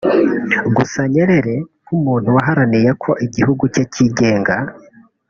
Gusa Nyerere nk’umuntu waharaniye ko igihugu cye cyigenga